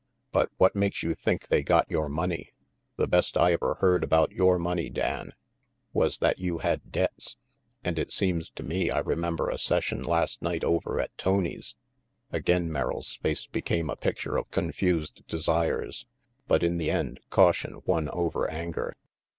But what makes you think they got your money? The best I ever heard about your money, Dan, was that you had debts; and it seems to me I remember a session last night over at Tony's." Again Merrill's face became a picture of confused desires; but in the end caution won over anger.